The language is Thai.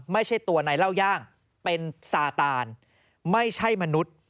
ไม่ใช่ตัวนายเล่าย่างเป็นซาตานไม่ใช่มนุษย์